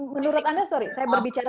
menurut anda sorry saya berbicara